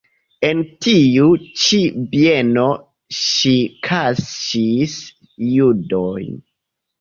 En tiu ĉi bieno ŝi kaŝis judojn.